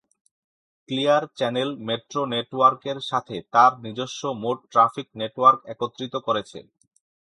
Clear Channel metro নেটওয়ার্কের সাথে তার নিজস্ব মোট ট্রাফিক নেটওয়ার্ক একত্রিত করেছে।